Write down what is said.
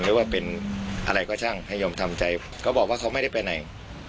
หรือว่าเป็นอะไรก็ช่างให้ยอมทำใจเขาบอกว่าเขาไม่ได้ไปไหน